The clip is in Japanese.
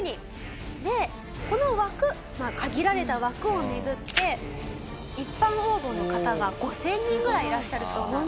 でこの枠まあ限られた枠を巡って一般応募の方が５０００人ぐらいいらっしゃるそうなんです。